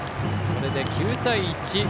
これで９対１。